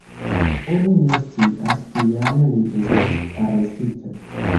Oni ne scias kial li estis arestita.